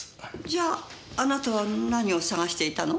じゃああなたは何を探していたの？